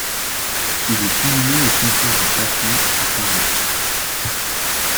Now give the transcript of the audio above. Il est inhumé au cimetière de Passy, à Paris.